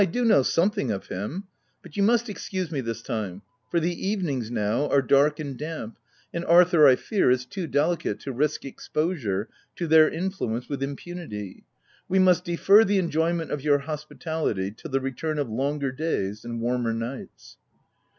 1 " I do know something of him — but you must excuse me this time ; for the evenings, now, 48 THE TENANT are dark and damp, and Arthur, I fear, is too delicate to risk exposure to their influence with impunity. We must defer the enjoyment of your hospitality, till the return of longer days and warmer nights."